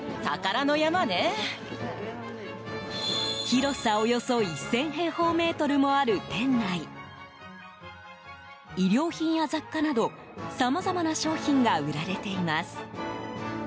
広さ、およそ１０００平方メートルもある店内衣料品や雑貨など、さまざまな商品が売られています。